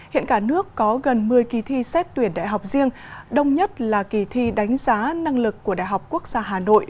hiện cả nước có gần một mươi kỳ thi xét tuyển đại học riêng đông nhất là kỳ thi đánh giá năng lực của đại học quốc gia hà nội